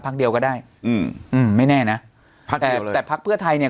เดียวก็ได้อืมอืมไม่แน่นะพักเดียวเลยแต่พักเพื่อไทยเนี้ย